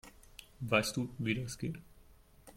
Weißt du, wie das geht?